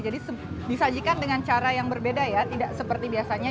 jadi disajikan dengan cara yang berbeda ya tidak seperti biasanya